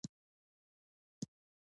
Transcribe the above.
ستره هیله مې داده چې مکتبونه خلاص شي